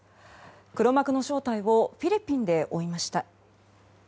黒幕の正体をフィリピンで追いました。